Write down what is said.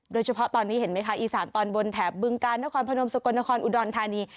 โดยเฉพาะตอนนี้เห็นไหมคะอีสานตอนบนแถบบึงกาลนครพนมสกลนครอุดรธานี